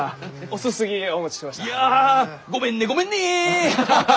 いやごめんねごめんね！